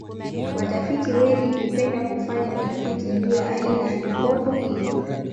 watafiti wengi hupenda kufanya utafiti juu ya aina ya mikoko hiyo